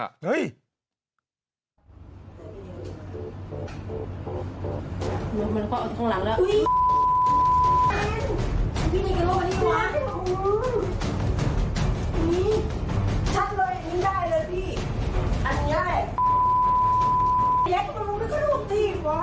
อันนี้ไง